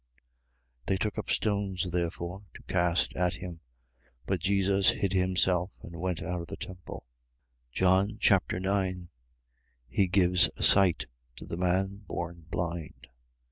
8:59. They took up stones therefore to cast at him. But Jesus hid himself and went out of the temple. John Chapter 9 He gives sight to the man born blind.